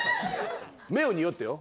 目をにおってよ。